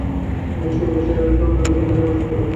তিনি সে বয়সে এরূপ অসাধারণ কৃতিত্ব প্রদর্শন করেন।